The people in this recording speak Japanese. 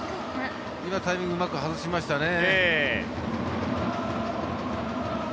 今、タイミングうまく外しましたね。